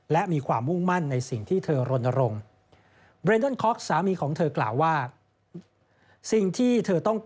และมีความทรงมั่นในสิ่งที่เธอรนฬง